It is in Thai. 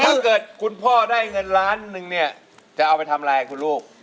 ถ้าเกิดคุณพ่อได้เงินล้านนึงเนี่ยจะเอาไปทำอะไรคุณลูก